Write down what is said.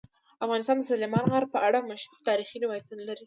افغانستان د سلیمان غر په اړه مشهور تاریخی روایتونه لري.